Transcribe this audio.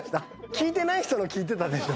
聞いてない人の「聞いてた」でしょ